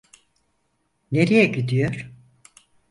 Nereye gidiyor?